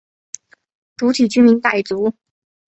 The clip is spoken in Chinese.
主体居民傣族。